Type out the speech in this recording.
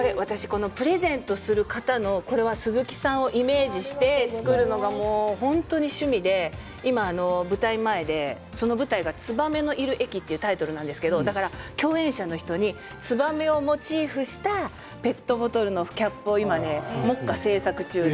プレゼントする方のこれは鈴木さんをイメージして作るのが本当に趣味で今、舞台の前で、その舞台が「燕のいる駅」というタイトルなんですけど共演者の人にツバメをモチーフにしたペットボトルのキャップを今目下、製作中で。